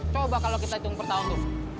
coba kalau kita hitung per tahun tuh